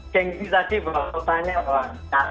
gengsi saja bahwa tanya bahwa